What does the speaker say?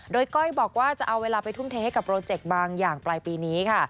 โดยก้อยบอกว่าจะเอาเวลาไปทุ่มเทให้กับโปรเจกต์บางอย่างปลายปีนี้ค่ะ